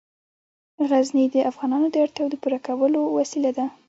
غزني د افغانانو د اړتیاوو د پوره کولو وسیله ده.